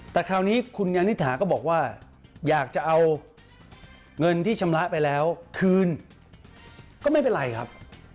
แต่คราวนี้คุณยานิษฐาก็บอกว่าอยากจะเอาเงินที่ชำระไปแล้วคืนก็ไม่เป็นไรครับ